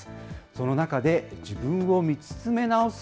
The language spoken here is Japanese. その中で、自分を見つめ直す